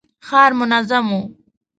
ښار منظم و.